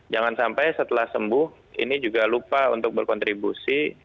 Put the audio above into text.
jangan sampai setelah sembuh ini juga lupa untuk berkontribusi